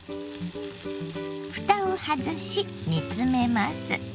ふたを外し煮詰めます。